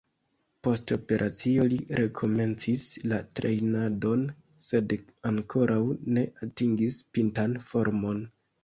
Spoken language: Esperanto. Post operacio li rekomencis la trejnadon sed ankoraŭ ne atingis pintan formon.